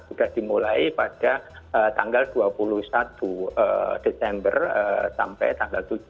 sudah dimulai pada tanggal dua puluh satu desember sampai tanggal tujuh